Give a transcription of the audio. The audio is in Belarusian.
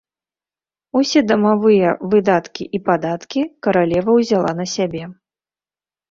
Усе дамавыя выдаткі і падаткі каралева ўзяла на сябе.